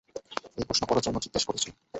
এই প্রশ্ন করার জন্য জিজ্ঞেস করছি।